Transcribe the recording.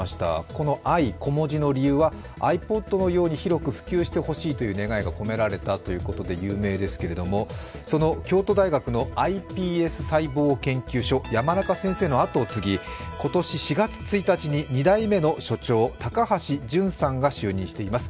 このｉ、小文字の理由はｉＰｏｄのように広く普及してほしいという願いが込められたということで有名ですけど、その京都大学のｉＰＳ細胞研究所山中先生の後を継ぎ、今年４月１日に２代目の所長、高橋淳さんが就任しています。